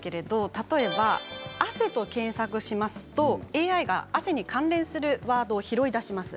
例えば汗と検索しますとＡＩが汗に関するワードを拾い出します。